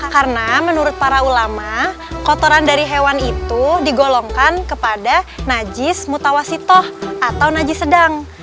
karena menurut para ulama kotoran dari hewan itu digolongkan kepada najis mutawasitoh atau najis sedang